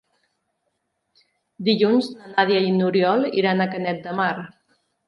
Dilluns na Nàdia i n'Oriol iran a Canet de Mar.